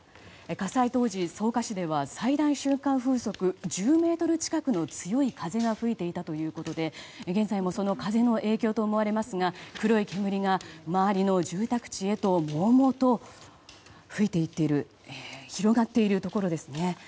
火災当時、草加市では最大瞬間風速１０メートル近くの強い風が吹いていたということで現在もその風の影響と思われますが黒い煙が周りの住宅地へもうもうと広がっているところです。